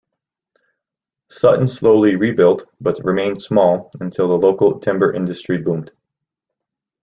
Sutton slowly rebuilt but remained small until the local timber industry boomed.